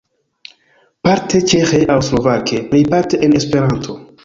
Parte ĉeĥe aŭ slovake, plejparte en Esperanto.